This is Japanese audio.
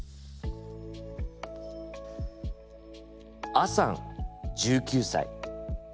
あさん１９歳。